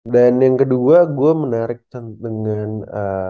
dan yang kedua gue menarik dengan eee